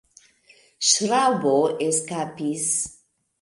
Ŝraŭbo eskapis.